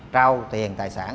trao tiền tài sản